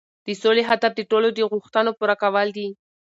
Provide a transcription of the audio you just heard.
د سولې هدف د ټولو د غوښتنو پوره کول دي.